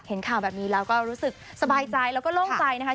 ข่าวแบบนี้แล้วก็รู้สึกสบายใจแล้วก็โล่งใจนะคะ